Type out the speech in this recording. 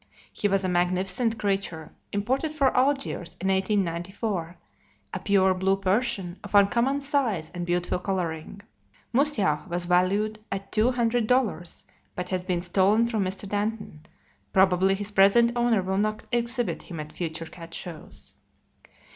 He was a magnificent creature, imported from Algiers in 1894; a pure blue Persian of uncommon size and beautiful coloring. Musjah was valued at two hundred dollars, but has been stolen from Mr. Danton. Probably his present owner will not exhibit him at future cat shows.